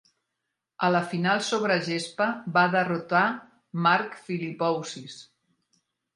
A la final sobre gespa va derrotar Mark Philippoussis.